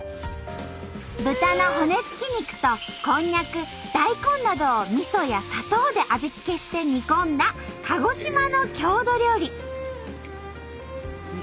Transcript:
豚の骨付き肉とこんにゃく大根などをみそや砂糖で味付けして煮込んだ鹿児島の郷土料理。